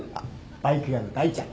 バイク屋の大ちゃん。